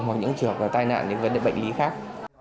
hoặc những trường hợp tai nạn những vấn đề bệnh lý khác